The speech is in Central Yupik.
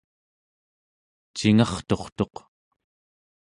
cingarturtuq